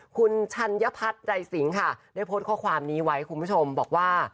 คุณชัญพัฒน์ใจสิงค่ะได้โพสต์ข้อความนี้ไว้คุณผู้ชมบอกว่า